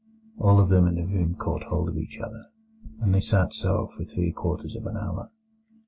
All of them in the room caught hold of each other, and they sat so for three quarters of an hour.